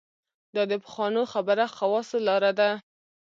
دا د پخوانو خبره خواصو لاره ده.